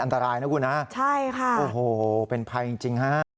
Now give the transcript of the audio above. อันตรายนะครับคุณฮะโอ้โหเป็นภัยจริงฮะ